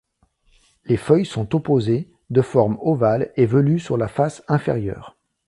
Les feuilles sont opposées, de forme ovale et velues sur la face inférieure.